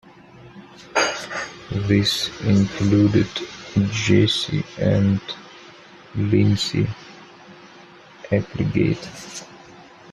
This included Jesse and Lindsay Applegate.